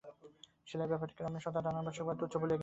সেলাই-ব্যাপারটাকে রমেশ অত্যন্ত অনাবশ্যক ও তুচ্ছ বলিয়া জ্ঞান করে।